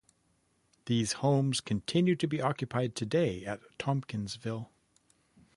These homes continue to be occupied today at Tompkinsville.